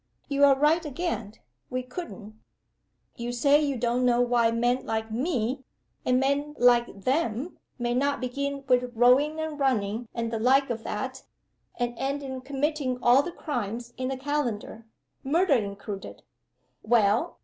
You're right again we couldn't. You say you don't know why men like Me, and men like Them, may not begin with rowing and running and the like of that, and end in committing all the crimes in the calendar: murder included. Well!